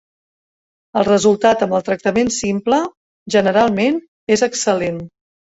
El resultat amb el tractament simple generalment és excel·lent.